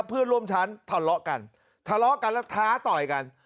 เพื่อนร่วมชั้นทะเลาะกันทะเลาะกันแล้วท้าต่อยกัน